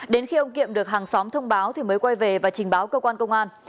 đến khi ông kiệm được hàng xóm thông báo thì mới quay về và trình báo cơ quan công an